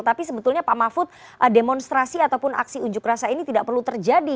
tapi sebetulnya pak mahfud demonstrasi ataupun aksi unjuk rasa ini tidak perlu terjadi